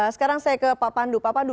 sekarang saya ke pak pandu